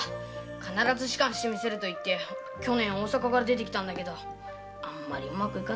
必ず仕官すると言って去年大坂から出てきたんだけどあんまりうまくいかなくってさどうぞ。